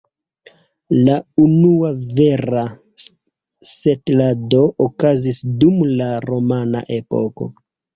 La unua vera setlado okazis dum la romana epoko.